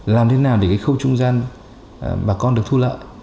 làm thế nào để cái khâu trung gian bà con được thu lợi